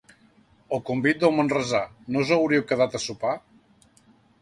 El convit del manresà: No us hauríeu quedat a sopar?